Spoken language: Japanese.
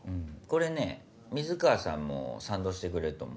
これね水川さんも賛同してくれると思うんすけど。